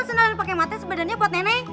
kan sendal lo pake matanya sebenarnya buat nenek